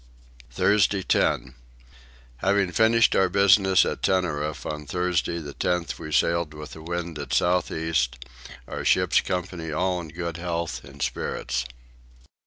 Thursday 10. Having finished our business at Tenerife on Thursday the 10th we sailed with the wind at south east, our ship's company all in good health and spirits.